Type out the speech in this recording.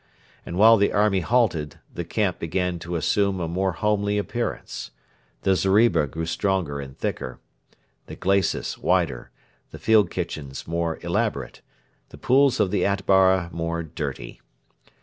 And while the army halted, the camp began to assume a more homely appearance. The zeriba grew stronger and thicker, the glacis wider, the field kitchens more elaborate, the pools of the Atbara more dirty.